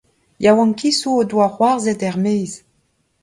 Yaouankizoù o doa c’hoarzhet er-maez.